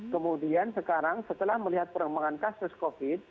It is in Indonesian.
kemudian sekarang setelah melihat perkembangan kasus covid sembilan belas